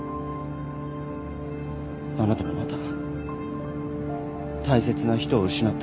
あなたもまた大切な人を失ったのに